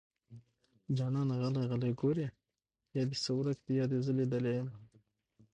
جانانه غلی غلی ګورې يا دې څه ورک دي يا دې زه ليدلې يمه